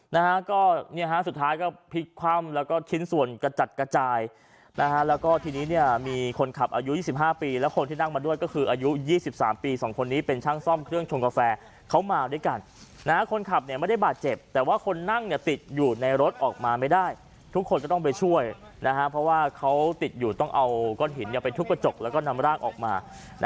นะฮะก็เนี้ยฮะสุดท้ายก็พลิกความแล้วก็ชิ้นส่วนกระจัดกระจายนะฮะแล้วก็ทีนี้เนี้ยมีคนขับอายุยี่สิบห้าปีแล้วคนที่นั่งมาด้วยก็คืออายุยี่สิบสามปีสองคนนี้เป็นช่างซ่อมเครื่องชงกาแฟเขามาด้วยกันนะฮะคนขับเนี้ยไม่ได้บาดเจ็บแต่ว่าคนนั่งเนี้ยติดอยู่ในรถออกมาไม่ได้ทุกคนจะต้องไปช่วยนะฮะเพราะ